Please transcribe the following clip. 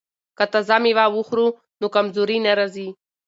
که تازه میوه وخورو نو کمزوري نه راځي.